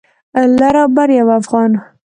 لر او لر یو افغان